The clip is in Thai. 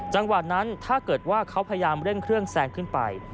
จังหวะนั้นถ้าเกิดว่าเขาพยายามเร่งเครื่องแซงขึ้นไป